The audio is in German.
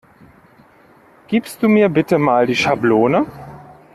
Gibst du mir bitte mal die Schablone?